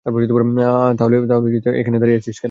তাহলে এখানে দাঁড়িয়ে আছিস কেন?